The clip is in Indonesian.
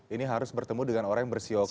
ini harus bertemu dengan orang yang bersio kelinci